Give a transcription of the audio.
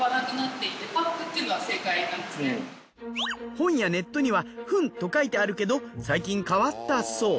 本やネットには「糞」と書いてあるけど最近変わったそう。